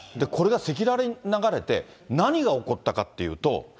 これが赤裸々に流れて、何が起こったかっていうと。